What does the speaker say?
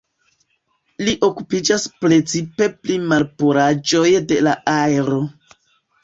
Li okupiĝas precipe pri malpuraĵoj de la aero.